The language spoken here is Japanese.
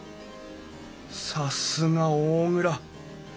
さすが大蔵。